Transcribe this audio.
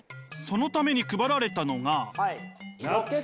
そのために配られたのが。